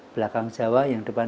belakang jawa yang depan